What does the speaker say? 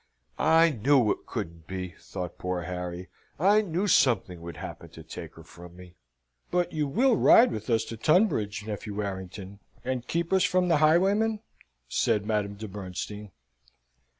"I knew it couldn't be," thought poor Harry. "I knew something would happen to take her from me." "But you will ride with us to Tunbridge, nephew Warrington, and keep us from the highwaymen?" said Madame de Bernstein.